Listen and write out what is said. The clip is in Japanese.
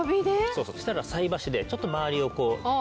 そしたら菜箸でちょっと周りをこう。